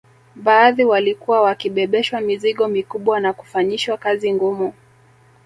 Baadhi walikuwa wakibebeshwa mizigo mikubwa na kufanyishwa kazi ngumu